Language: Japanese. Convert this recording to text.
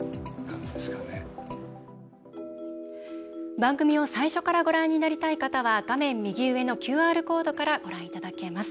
番組を最初からご覧になりたい方は画面右上のＱＲコードからご覧いただけます。